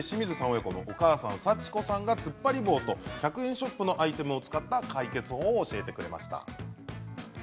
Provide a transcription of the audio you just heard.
親子のお母さん幸子さんがつっぱり棒と１００円ショップのアイテムを使った解決法を教えてくれました。